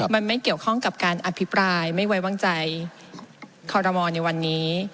มันไม่เกี่ยวข้องกับการอภิปรายไม่ไว้วางใจคอรมอลในวันนี้